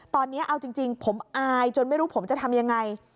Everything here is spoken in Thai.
ตอนนี้เอาจริงผมอายจนไม่รู้ผมจะทำยังไง